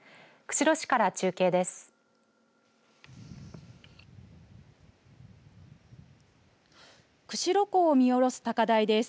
釧路市から中継です。